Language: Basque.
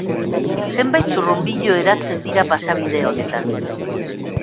Zenbait zurrunbilo eratzen dira pasabide honetan.